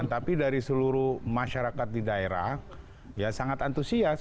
tapi dari seluruh masyarakat di daerah ya sangat antusias